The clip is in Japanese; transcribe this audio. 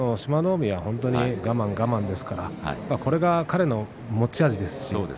海は本当に我慢我慢ですからこれが彼の持ち味です。